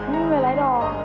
những người đang là nhà giáo